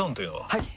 はい！